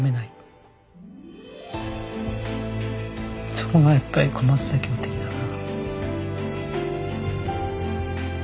そこがやっぱり小松左京的だな。